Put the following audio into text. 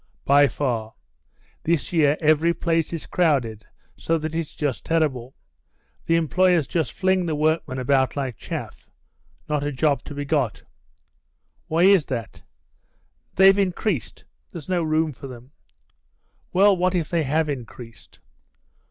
"By far. This year every place is crowded, so that it's just terrible. The employers just fling the workmen about like chaff. Not a job to be got." "Why is that?" "They've increased. There's no room for them." "Well, what if they have increased?